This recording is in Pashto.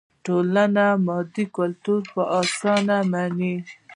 ټولنه مادي کلتور په اسانۍ مني.